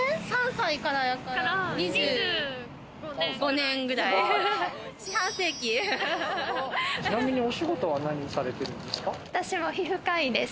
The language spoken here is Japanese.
３歳からやから２５年ぐらい、ちなみにお仕事は何されてる私は皮膚科医です。